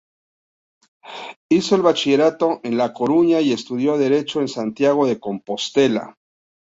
Hizo el bachillerato en La Coruña y estudió Derecho en Santiago de Compostela.